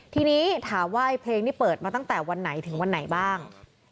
ทีนี้ถามว่าเพลงนี้เปิดมาตั้งแต่วันไหนถึงวันไหนบ้าง